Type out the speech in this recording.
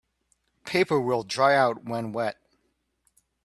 Paper will dry out when wet.